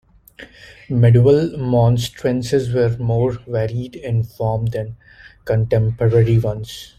Medieval monstrances were more varied in form than contemporary ones.